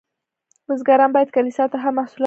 بزګران باید کلیسا ته هم محصولات ورکړي.